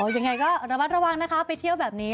ยังไงก็ระมัดระวังนะคะไปเที่ยวแบบนี้